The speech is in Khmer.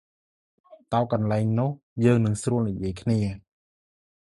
ទៅកន្លែងនោះយើងស្រួលនិយាយគ្នា ។